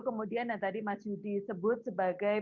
kemudian yang tadi mas yudi sebut sebagai